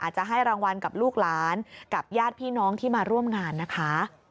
จะให้รางวัลกับลูกหลานกับญาติพี่น้องที่มาร่วมงานนะคะ